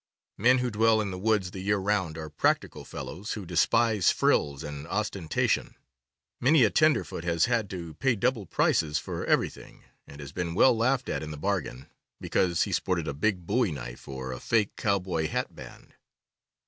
Men who dwell in the woods the year 'round are practical fellows who despise frills and ostentation. Many a tenderfoot has had to pay double prices for everything, and has been well laughed at in the bargain, because he sported a big bowie knife or a fake cowboy hat band.